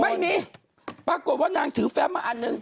ไม่มีปรากฏว่านางถือแฟมมาอันนึง